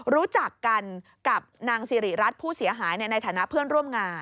รู้จักกันกับนางสิริรัตน์ผู้เสียหายในฐานะเพื่อนร่วมงาน